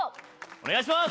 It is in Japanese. お願いします